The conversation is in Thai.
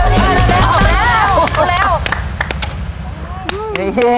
เร็วนี่